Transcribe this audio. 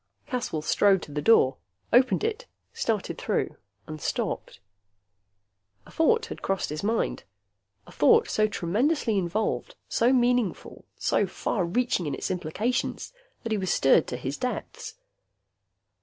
Caswell strode to the door, opened it, started through, and stopped. A thought had crossed his mind, a thought so tremendously involved, so meaningful, so far reaching in its implications that he was stirred to his depths.